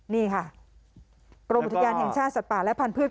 นี่ค่ะกรมอุทยานแห่งชาติสัตว์ป่าและพันธุ์